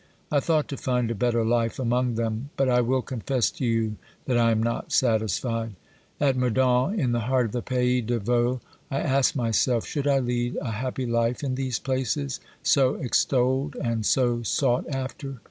I thought to find a better life among them, but I will confess to you that I am not satisfied. At Moudon, in the heart of the pays de Vaud, I asked myself: Should I lead a happy fife in these places, so extolled and so sought after?